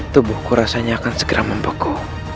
tubuhku rasanya akan segera membeku